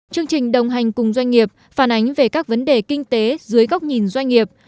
chương trình đồng hành cùng doanh nghiệp phản ánh về các vấn đề kinh tế dưới góc nhìn doanh nghiệp